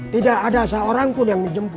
tidak ada seorang pun yang dijemput